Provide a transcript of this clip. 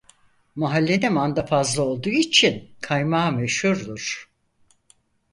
Mahallede manda fazla olduğu için kaymağı meşhurdur.